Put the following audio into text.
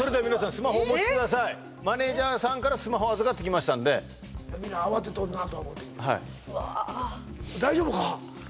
スマホをお持ちくださいマネージャーさんからスマホ預かってきましたんで皆慌てとんなとは思てんけど・わあ大丈夫か？